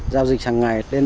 giao dịch gần một tỷ đồng